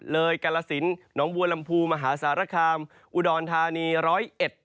กาลสินน้องบัวลำพูมหาสารคามอุดรธานีร้อยเอ็ด